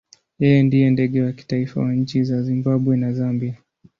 Yeye ndiye ndege wa kitaifa wa nchi za Zimbabwe na Zambia.